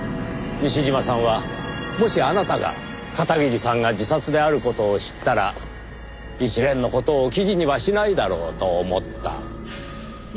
西嶋さんはもしあなたが片桐さんが自殺である事を知ったら一連の事を記事にはしないだろうと思った。